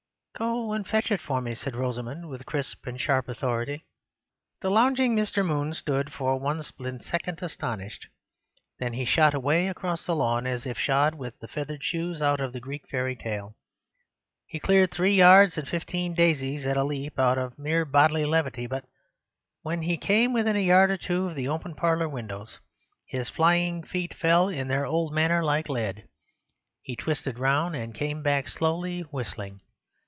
"Go and fetch it for me," said Rosamund, with crisp and sharp authority. The lounging Mr. Moon stood for one split second astonished; then he shot away across the lawn, as if shod with the feathered shoes out of the Greek fairy tale. He cleared three yards and fifteen daisies at a leap, out of mere bodily levity; but when he came within a yard or two of the open parlour windows, his flying feet fell in their old manner like lead; he twisted round and came back slowly, whistling.